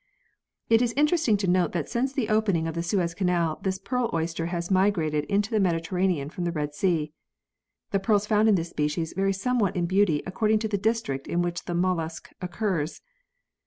It is interesting to note that since the opening of the Suez Canal this pearl oyster has migrated into the Mediterranean from the Red Sea. The pearls found in this species vary somewhat in beauty according to the district in which the mollusc occurs.